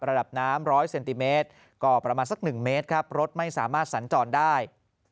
ระดับน้ำ๑๐๐เซนติเมตรก็ประมาณสัก๑เมตรครับรถไม่สามารถสัญจรได้